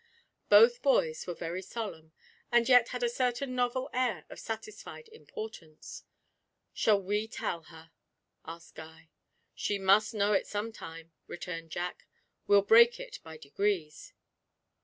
Both boys were very solemn, and yet had a certain novel air of satisfied importance. 'Shall we tell her?' asked Guy. 'She must know it some time,' returned Jack; 'we'll break it by degrees.